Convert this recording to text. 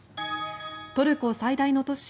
トルコ最大の都市